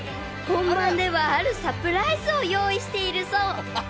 ［本番ではあるサプライズを用意しているそう］